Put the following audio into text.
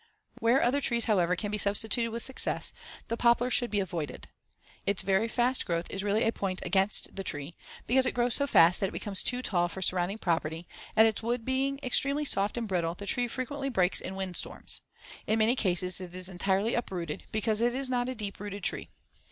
Where other trees, however, can be substituted with success, the poplar should be avoided. Its very fast growth is really a point against the tree, because it grows so fast that it becomes too tall for surrounding property, and its wood being extremely soft and brittle, the tree frequently breaks in windstorms. In many cases it is entirely uprooted, because it is not a deep rooted tree.